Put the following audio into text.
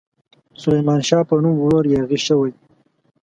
سلیمان شاه په نوم ورور یاغي شوی.